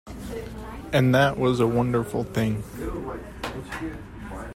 And that was a wonderful thing.